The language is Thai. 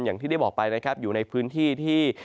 อย่างที่ได้บอกไปนะครับอยู่ในพื้นที่ที่